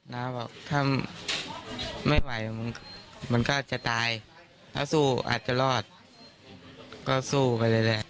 น้าบอกถ้าไม่ไหวมันก็จะตายถ้าสู้อาจจะรอดก็สู้ไปเลยแหละ